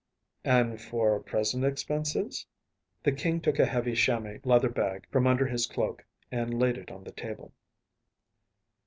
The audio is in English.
‚ÄĚ “And for present expenses?‚ÄĚ The King took a heavy chamois leather bag from under his cloak and laid it on the table.